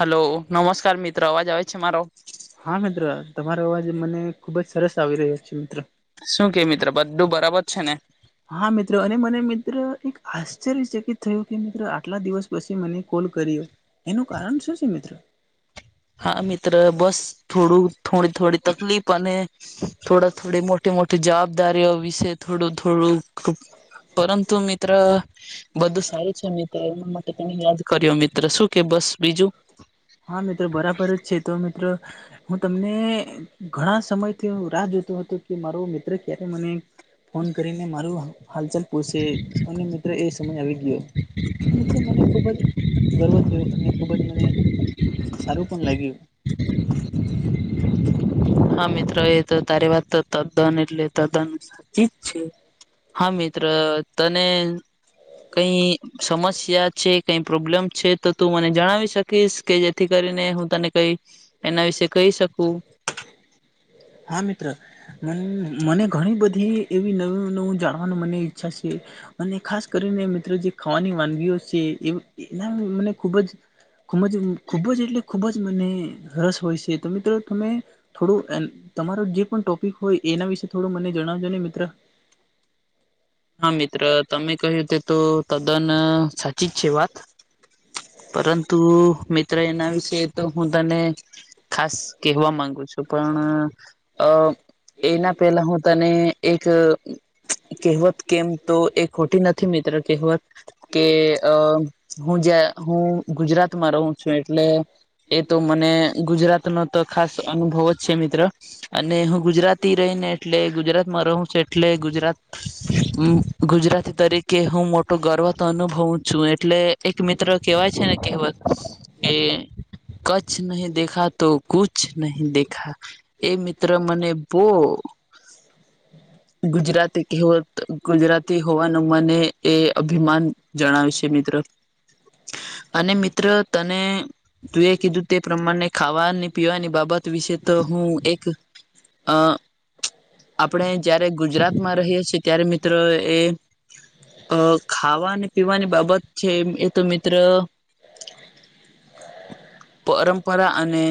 Hello! નમસ્કાર મિત્ર, અવાજ આવે છે મારો? હા મિત્ર, તમારો અવાજ મને ખુબ જ સરસ આવી રહ્યો છે મિત્ર. શું કે મિત્ર, બધું બરાબર છે ને? હા મિત્ર, અને મને મિત્ર એક આશ્ચર્યચકિત થયું કે, મિત્ર આટલા દિવસ પછી મને કોલ કર્યો, એનું કારણ શું છે મિત્ર? હા મિત્ર, બસ થોડું, થોડી થોડી તકલીફ અને થોડા થોડી મોટી મોટી જવાબદારીઓ વિશે થોડું થોડું પરંતુ મિત્ર બધું સારું છે મિત્ર, એના માટે તમે યાદ કર્યો મિત્ર, શું કે બસ બીજું. હા મિત્ર બરાબર જ છે, તો મિત્ર હું તમને ઘણા સમયથી હું રાહ જોતો હતો, કે મારો મિત્ર ક્યારે મને ફોન કરીને મારું હાલચલ પૂસ, અનેત એ સમજ આવી ગયો, તો મિત્રો મને ખુબ જ ગર્વ થયું, અને ખૂબ જ મને સારું પણ લાગ્યું. હા મિત્ર, એ તો તારી વાત તો તદ્દન એટલે તદ્દન સાચી જ છે. હા મિત્ર તને કઈ સમસ્યા છે કઈ પ્રોબ્લેમ છે તો તું મને જણાવી શકીશ કે જેથી કરીને હું તને કઈ એના વિશે કહી શકું હા મિત્ર મન મને ઘણી બધી એવી નવું નવું જાણવાની મને ઈચ્છા છે અને ખાસ કરીને મિત્રો જે ખોવાની વાનગીઓ છે એ એના મને ખૂબ જ ખૂબ જ ખૂબ જ એટલે ખૂબ જ મને રસ હોય છે તો મિત્રો તમે થોડું એમ તમારો જે પણ ટોપિક હોય એના વિશે થોડું મને જણાવજો ને મિત્ર હા મિત્ર તમે કહ્યું તે તો તદ્દન સાચી જ છે વાત પરંતુ મિત્ર એના વિશે તો હું તને ખાસ કહેવા માંગુ છું પણ અ એના પહેલા હું તને એક કેહવત કેમ તો એ ખોટી નથ થી મિત્ર કહેવત કે અ હું જ્યા હું ગુજરાતમાં રહું છું એટલે એ તો મને ગુજરાત નો તો ખાસ અનુભવ જ છે મિત્ર અને હું ગુજરાતી રહી ને એટલે ગુજરાતમાં રહું છે એટલે ગુજરાત ગુજરાતી તરીકે હું મોટો ગર્વ તો અનુભવું છું એટલે એક મિત્ ત્ર કેવા છે ને કહેવત કે કરછ નહી દેખા તો કુછ નહીં દેખા એ મિત્ર મને બો ગુજરાતી કેહવત ગુજરાતી હોવાનું મને એ અભિમાન જણાવે છે મિત્ર અને મિત્ર તને તું એ કીધું તે પ્રમાણે ખાવાની પીવાની બાબત વિશે તો હું એક અ આપડે જયારે ગુજરાત માં રહીએ છીએ ત્યારે મિત્ર એ અ ખાવા પીવાની બાબત છે એ તો મિત્ર પરંપરા અને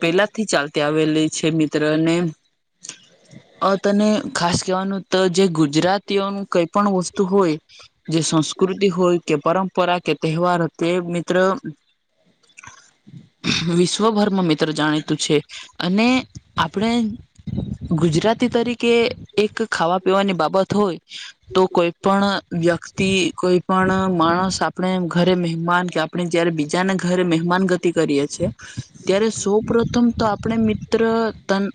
પેલા થી ચાલતી આવેલી છે મિત્ર ને અ તને ખાસ કહેવાનું તો જે ગુજરાતીઓનું કઈ પણ વસ્તુ હોય જે સંસ્કૃતિ હોય કે પરંપરા કે તહેવાર તે મિત્ર વિશ્વભરમાં મિત્ર જાણીતું છે. અને આપણે ગુજરાત એ તરીકે એક ખાવા પીવાની બાબત હોય તો કોઈ પણ વ્યક્તિ કોઈ પણ માણસ આપણે ઘરે મહેમાન કે આ આપણે જ્યારે બીજાના ઘરે મહેમાન ગતિ કરીએ છીએ ત્યારે સૌ પ્રથમ તો આપણે મિત્ર તન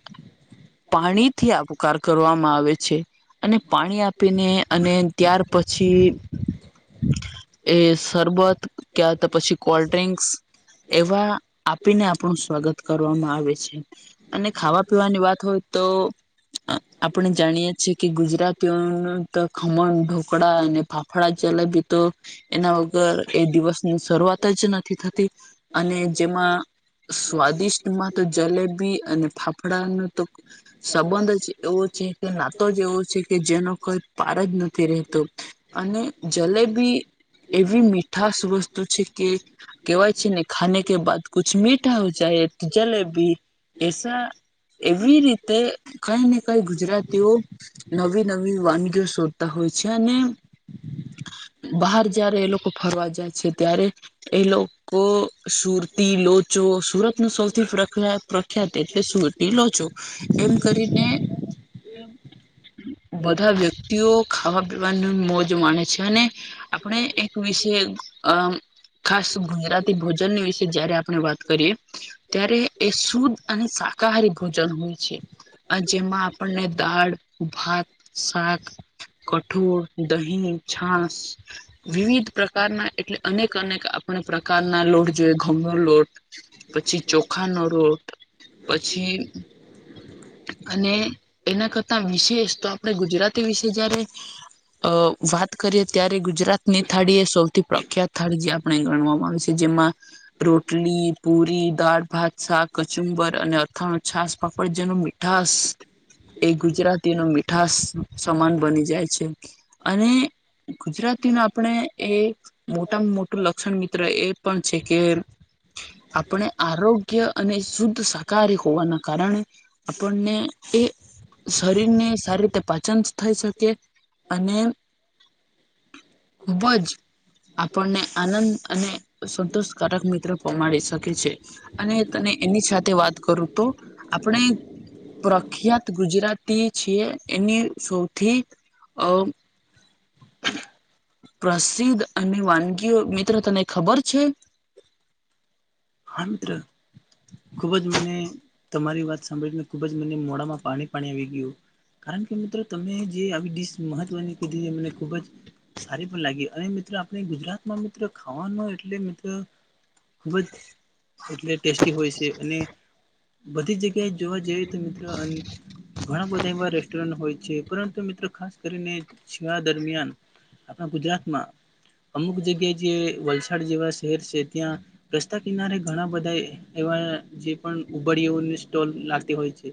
પાણી થી આવકાર કરવામાં આવે છે. અને પાણી આપીને અને ત્યાર પછી એ શરબત ક્યા તો પછી કોલ્ડડ્રિંક્સ એવા પીને આપણું સ્વાગત કરવામાં આવે છે અને ખાવા પીવાની વાત હોય તો આપણે જાણીયે છીએ કે ગુજરાતીઓન તો ખમણ ઢોકળા અને ફાફ ફડાં ચલો ભીતો એના વગર એ દિવસની શરૂઆત જ નથી થતી અને જેમાં સ્વાદિષ્ટમાં તો જલેબી અને ફાફડા નો તો સંબંધ જ એવો છે કે નાતો જ એવો છે કે જેનો કોઈ પાર જ નથી રેતો. અને જલેબી એવી મીઠાશ વસ્તુ છે કે કેવાય છેને, ખાને કે બાદ કુછ મીઠા હો જાય, તો જલેબી એસા. એવી રીતે કઈ ને કઈ ગુજરાતીઓ નવી નવી વાનગીઓ શોધતા હોય છે, અને બહાર જયારે એ લોકો ફરવા જાય છે, ત્યારે એ લો કો સુરતી લોચો, સુરત નુ સૌથી પ્રક્રિયાત પ્રખ્યાત એટલે સુરતી લોચો. એમ કરીને બધા વ્યક્તિઓ ખાવા પીવાની મોજ માને છે, અને આપણે એક વિશે અમ ખાસ ધુંગરાતી ભોજનની વિશે જયારે આપણે વાત કરીએ. ત્યારે એ શુદ્ધ અને શાકાહારી ભોજન હોય છે. અ જેમાં આપણને દાળ, ભાત, શાક. કઠોળ, દહીં, છાસ. વિવિધ પ્રકારના, એટલે અનેક અનેક આપણે પ્રકારના લોટ જોઈએ, ઘઉંનો લોટ પછી ચોખા નો રોટ, પછી અને એના કરતા વિશેષ, તો આપણે ગુજરાતી વિશે જયારે અ વાત કરીએ ત્યારે ગુજરાતની થાળી એ સૌથી પ્રખ્યાત થાળી જ્યાં ગણવામાં આવે છે, જેમાં રોટલી, પૂરી, દાળ, ભાત, શાક, કચુંબર અને અથાણું, છાશ. પાપર જ નો મીઠાશ, એ ગુજરાતી નુ મીઠ ઠાસ સમાન બની જાય છે, અને ગુજરાતી નો આપણે એક મોટામાં મોટું લક્ષણ મિત્ર એ પણ છે કે આપણે આરોગ્ય અને શુદ્ધ શાકાહારી હોવાના કારણ આપણને એ શરીરને સારી રીતે પાચન થઈ શકે, અને ખુબજ આપણને આનંદ અને સંતોષકારક મિત્ર પમાડી શકે છે. અને તને એની સાથે વાત કરું તો, આપણે પ્રખ્યાત ગુજરાતી છીએ, એની સૌથી અ પ્રસિદ્ધ અને વાનગીઓ મિત્ર તને ખબર છે? હા મિત્ર ખુબજ મને, તમારી વાત સાંભળીને ખુબજ મને મોડામાં પાણી પાણી આવી ગયું. કારણ કે મિત્રો તમે જે આવી ડીશ મહત્વની કીધી, એ મને ખૂબજ સારી પણ લાગી, અને મિત્ર આપણે ગુજરાતમાં મિત્ર ખાવાનો એટલે મિત્ર ખુબજ [inaudible] એટલે ટેસ્ટી હોય છે, અને બધી જગ્યાએ જોવા જઈએ તો મિત્ર, અન ઘણા બધા એવા રેસ્ટોરન્ટ હોય છે. પરંતુ મિત્ર ખાસ કરીને ચિયા દરમિયાન આપણા ગુજરાતમાં, અમુક જગ્યાએ જે વલસાડ જેવા શહેર છે, ત્યાં પ્રસ્તાક કિનારે ઘણા બધા એવા જે પણ ઉબાડીયો ની સ્ટોલ લાગતી હોય છે.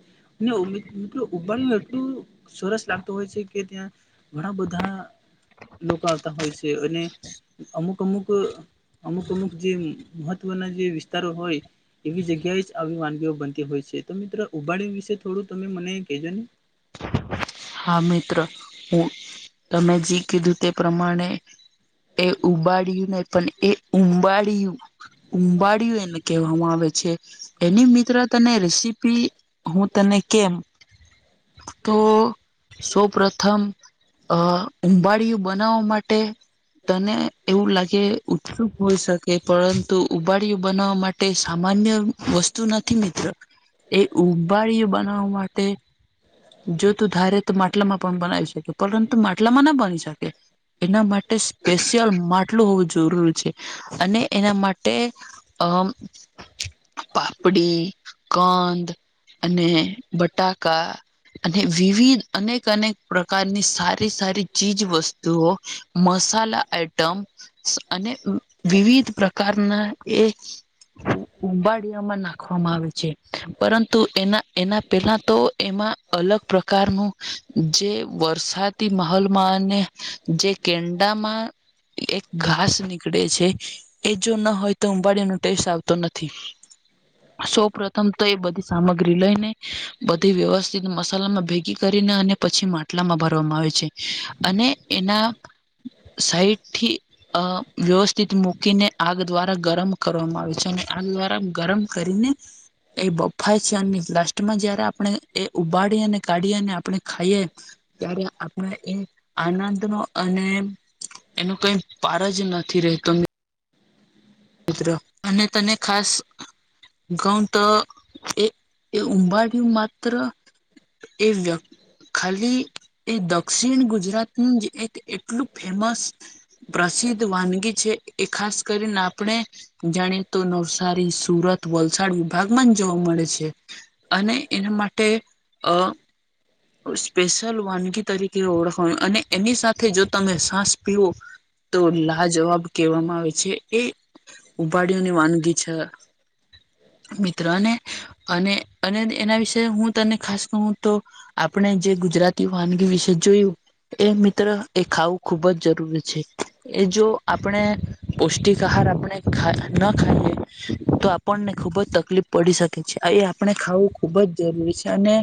નો મિત લો ઉભાડું એટલું સરસ લાગતું હોય છે, કે ત્યાં ઘણા બધા લોકો આવતા હોય છે, અને અમુક અમુક અમુક, અમુક અમુકજે મહ કુવાના જે વિસ્તારો હોય. એવી જગ્યાએ જ આવી વાનગીઓ બનતી હોય છે તો મિત્ર ઉબાડી વિશે થોડું તમે મને કહેજો ને. હા મિત્ર હું તમે જે કીધું તે પ્રમાણે. એ ઉબાડય્યું નહી પણ એ ઉંબાડયું. ઉંબાળિયું એને કહેવામાં આવે છે. એની મિત્ર તને રેસીપી હું તને કેમ. તો સૌપ્રથમ. અ ઉંબાળિયું બનાવા માટે. તને એવું લાગે ઉત્સુક હોઈ શકે પરંતુ ઉબાડયું બનાવવા માટે. તે સામાન્ય. વસ્તુ નથી મિત્ર એ ઉબાડયું બનાવવા માટે. જો તું ધારે તો માટલામાં પણ બનાવી શકે પરંતુ માટલામાં ના બની શકે. એના માટે સ્પેશિયલ માટલું હોવું જરૂરી છે. અને એના માટે અમ. પાપડી કંદ. અને બટાકા અને વિવિધ. અનેક અનેક પ્રકારની સારી સારી ચીજ વસ્તુઓ મસાલા આઈટમ. અને વિવિધ પ્રકારના એ ઉબાળિયામાં નાખ. આમા આવે છે પરંતુ એના એના પહેલા તો એમાં અલગ પ્રકારનું જે વરસાદી માહોલમાં અને. જે કેન્ડામાં એક ઘાસ નીકળે છે. એ જો ન હોય તો ઉબાડીનો ટેસ્ટ આવતો નથી સૌ પ્રથમ. તો એ બધી સામગ્રી લઈને બધી વ્યવસ્થિત મસાલામાં ભેગી. કરીને અને પછી માટલામાં ભરવામાં આવે છે અને એના. સાઈઠ થી. અ વ્યવસ્થિત મૂકીને આગ દ્વારા ગરમ કરવામાં આવે છે અને આગ દ્વારા ગરમ કરીને. એ બફાય છે અને લાસ્ટમાં જયારે આપણે એ ઉબાડી અને કાઢી અને. આપણે ખાઈએ ત્યારે આપણે એ આનંદ નો અને. એનો કોઈ પાર જ નથી રેતો મિત્ર. મિત્ર અને તને ખાસ. ઘઉં તો એ એ ઉંબાડિયું માત્ર. એ વ્યક્. ખાલી એ દક્ષિણ ગુજરાતનું જ એક એટલું ફેમસ. પ્રસિદ્ધ વાનગી છે એ ખાસ કરીને ના. આપણે જાણે તો નવસારી સુરત વલસાડ વિભાગમાં જ જોવા મળે છે. અને એના માટે અ સ્પેશિયલ વાનગી તરીકે. તે ઓળખવાનું અને એની સાથે જો તમે સાસ પીવો તો લા જવાબ. કહેવામાં આવે છે એ ઉભાડીઓની વાનગી છે. મિત્રને અને અને અને એના વિશે હું તને ખાસ કહું તો. આપણે જે ગુજરાતી વાનગી વિશે જોયું. એ મિત્ર એ ખાવું ખુબ જ જરૂરી છે. એ જો આપણે પૌષ્ટિક આહાર આપણે. ન ખા ના ખાઈએ તો આપણને ખુબ જ તકલીફ પડી શકે છે એ આપણે ખાવું. ખુબ જ જરૂરી છે અને.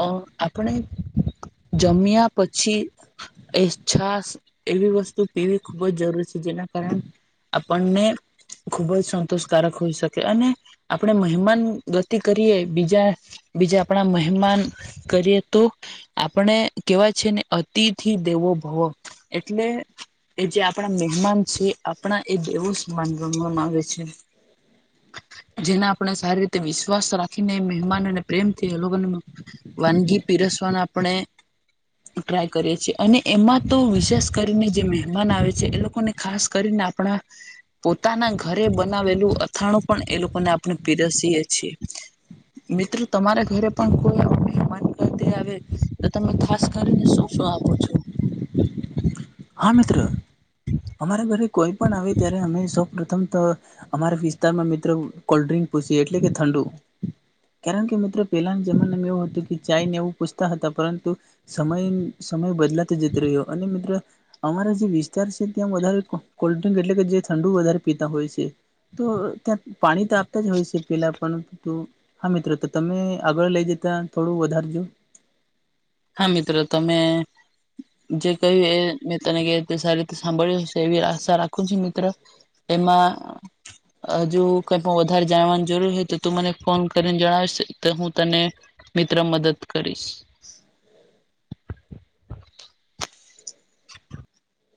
અ આપણે જમીયા પછી. એ છાશ એવી વસ્તુ પીવી ખૂબ જ જરૂરી છે જેના કારણે. આપણને ખુબ જ સંતોષકારક હોઈ શકે અને આપણેે મહેમાન ગતિ કરીએ બીજા બીજા આપણા મહેમાન કરીએ તો આપણે કેવાય છે ને અતિથી દેવો ભવ એટલે એ જે આપણા મહેમાન છે આપણા એ દેવો સમાન ગનવામાં આવે છે જેના આપણે સારી રીતે વિશ્વાસ રાખીને મહેમાન અને પ્રેમથી એ લોકોને વાનગી પીરસવાના આપણે ટ્રાય કરીએ છીએ અને એમાં તો વિશેષ કરીને જે મહેમાન આવે છે એ લોકોને ખાસ કરીને આ પણ આ પોતાના ઘરે બનાવેલું અથાણું પણ એ લોકોને આપણે પીરસીએ છીએ મિત્ર તમારા ઘરે પણ કોઈ મહેમાન ગતિ એ આવે તો તમે ખાસ કરીને શું શું આપો છો હા મિત્ર અમારા ઘરે કોઈ પણ આવે ત્યારે અમે સૌ પ્રથમ તો અમારા વિસ્તારમાં મિત્ર કોલ્ડ્રિંક પુસિએ એટલે કે ઠંડુ કારણ કે મિત્રો પહેલાના જમાનામાં એવું હતું કે ચાય ને એવું પૂછતા હતા પરંતુ સમયેન સમય બદલાતો જતો રહ્યો અને મિત્ર અમારા જે વિસ્તાર છે ત્યાં વધારે કોલ્ડ્રિંક એટલે કે જે ઠંડુ વધારે પીતા હોય છે. તો ત્યાં પાણી તો આપતા જ હોય છે પેલા પરંતુ તો હા મિત્ર તો તમે આગળ લઈ જતા થોડું વધારજો હા મિત્ર તમે જે કહ્યું એ મેં તને કે એ રીતે સારી રીતે સાંભળ્યું હશે એવી આશા રાખું છું મિત્ર એમાં હજુ કઈ પણ વધારે જાણવાની જરૂર હે તો તું મને ફોન કરીને જણાવેશ તો હું તને મિત્ર મદદ કરીશ [inaudible]